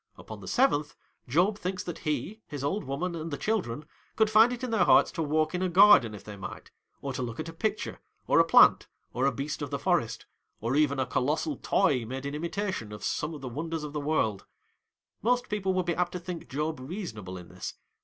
11 the seventh, Job thinks that he, his old woman, and the children, could find it in their | hearts to walk in a garden if they might, or : to look at a picture, or a plant, or a beast of i the forest, or even a colossal toy made in imitation of some of the wonders of the world, Most people would be apt to think Job reasonable in this.